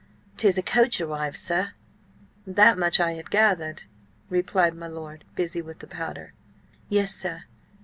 "'Tis a coach arrived, sir." "That much had I gathered," replied my lord, busy with the powder. "Yes, sir.